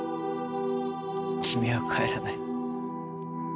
君は返らない。